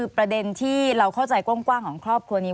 ประเด็นที่เราเข้าใจกว้างของครอบครัวนี้